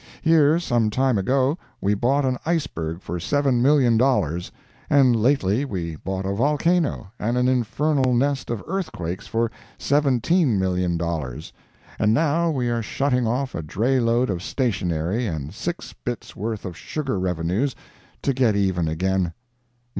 Here some time ago we bought an iceberg for $7,000,000 and lately we bought a volcano and an infernal nest of earthquakes for $17,000,000, and now we are shutting off a dray load of stationery and six bits worth of sugar revenues to get even again.